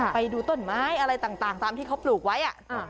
ไปดูต้นไม้อะไรต่างตามที่เขาปลูกไว้